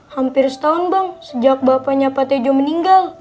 hampir setahun bang sejak bapaknya pak tejo meninggal